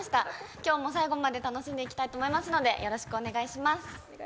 今日も最後まで楽しんでいきたいと思いますのでよろしくお願いします。